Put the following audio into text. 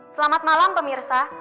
selamat malam pemirsa